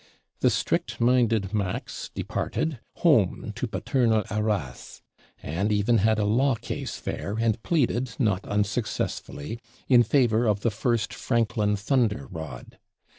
The strict minded Max departed, home to paternal Arras; and even had a Law case there, and pleaded, not unsuccessfully, "in favor of the first Franklin thunder rod."